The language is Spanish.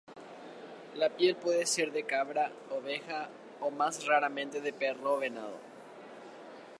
La piel puede ser de cabra, oveja o más raramente de perro o venado.